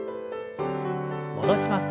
戻します。